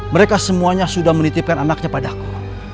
mereka semuanya sudah menitipkan anaknya padaku